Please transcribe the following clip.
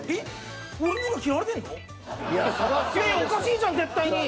おかしいじゃん絶対に。